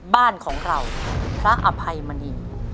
บ้านของเราพระอภัยมณี